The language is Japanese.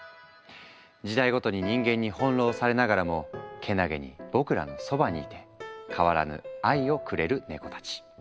時代ごとに人間に翻弄されながらもけなげに僕らのそばにいて変わらぬ「愛」をくれるネコたち。